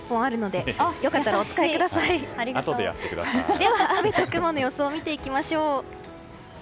では雨と雲の予想見ていきましょう。